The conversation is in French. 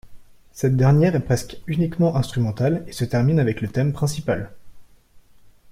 Cette dernière est presque uniquement instrumentale et se termine avec le thème principal.